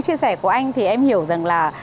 chia sẻ của anh thì em hiểu rằng là